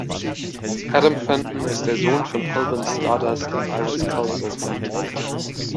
Adam Fenton ist der Sohn von Alvin Stardust und Iris Caldwell Fenton.